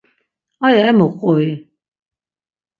Aya emuk qui?